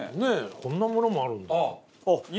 こんなものもあるんだ。